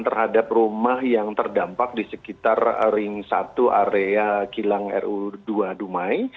terhadap rumah yang terdampak di sekitar ring satu area kilang ru dua dumai